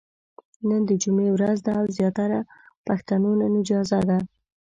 نن د جمعې ورځ ده او زياتره پښتنو نن اجازه ده ،